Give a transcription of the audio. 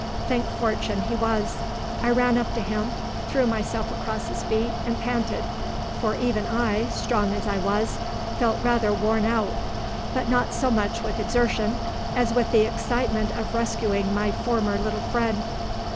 Thank fortune, he was. I ran up to him, threw myself across his feet, and panted, for even I, strong as I was, felt rather worn out, but not so much with exertion as with excitement of rescuing my former little friend.